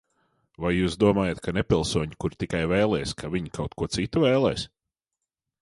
Vai jūs domājat, ka nepilsoņi, kuri tikai vēlēs, ka viņi kaut ko citu vēlēs?